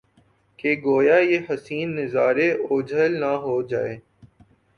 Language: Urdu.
کہ گو یا یہ حسین نظارے اوجھل نہ ہو جائیں